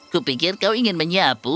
kupikir kau ingin menyapu